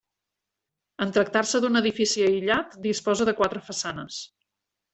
En tractar-se d'un edifici aïllat, disposa de quatre façanes.